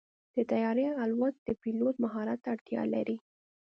د طیارې الوت د پيلوټ مهارت ته اړتیا لري.